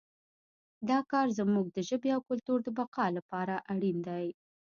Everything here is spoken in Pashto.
دا کار زموږ د ژبې او کلتور د بقا لپاره اړین دی